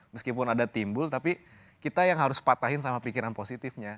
meskipun ada timbul tapi kita yang harus patahin sama pikiran positifnya